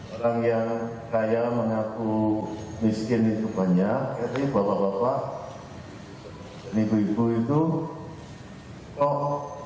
orang yang kaya mengaku miskin itu banyak jadi bapak bapak dan ibu ibu itu kok bisa gitu loh